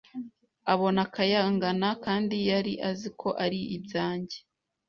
abona akayangana Kandi yari azi ko ari ibyanjye